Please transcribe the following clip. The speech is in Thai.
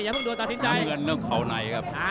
อย่าเพิ่งด่วนต่อคิดใจ